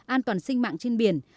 an toàn sinh mạng trên biển